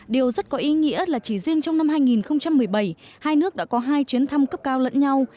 điều rất có ý nghĩa là chỉ riêng trong năm hai nghìn một mươi bảy hai nước đã có hai chuyến thăm cấp cao lẫn nhau